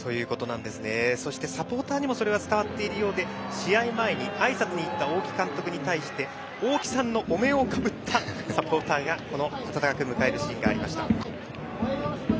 そしてサポーターにもそれが伝わっているようで試合前にあいさつに行った大木監督に対して大木さんのお面をかぶったサポーターが温かく迎えるシーンがありました。